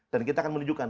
dan kita akan menunjukkan